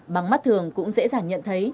bằng mắt thường cũng dễ dàng nhận thấy